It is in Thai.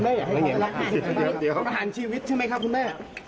อยากให้ประหารชีวิตใช่ไหมครับคุณแม่